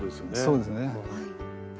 そうですね。